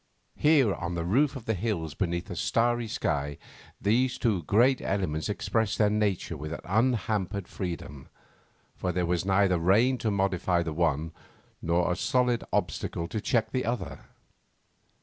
Here, on the roof of the hills beneath a starry sky, these two great elements expressed their nature with unhampered freedom, for there was neither rain to modify the one, nor solid obstacle to check the other.